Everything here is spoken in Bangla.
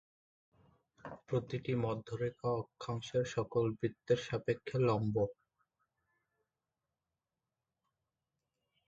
প্রতিটি মধ্যরেখা অক্ষাংশের সকল বৃত্তের সাপেক্ষে লম্ব।